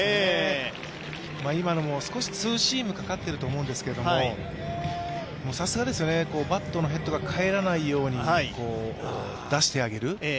今のも少しツーシームかかっていると思うんですけれども、さすがですよね、バットのヘッドが返らないように出してあげる。